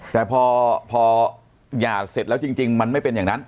แต่พอหย่าเสร็จแล้วจริงมันไม่เป็นอย่างนั้น